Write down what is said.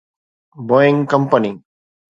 Boeing company